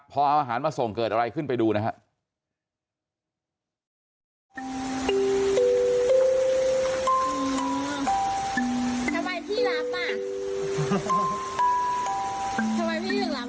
พอเอาอาหารมาส่งเกิดอะไรขึ้นไปดูนะฮะ